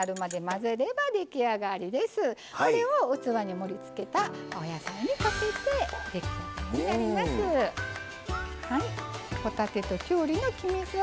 これを器に盛りつけたお野菜にかけて出来上がりになります。